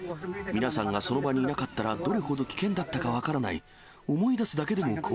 皆さんがその場にいなかったら、どれほど危険だったか分からない。